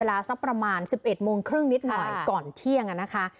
สักประมาณ๑๑โมงครึ่งนิดหน่อยก่อนเที่ยงนะคะ